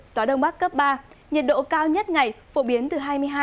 gió đông bắc cấp ba nhiệt độ cao nhất ngày phổ biến từ hai mươi hai